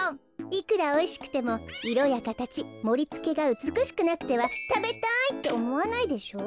いくらおいしくてもいろやかたちもりつけがうつくしくなくては「たべたい！」っておもわないでしょ？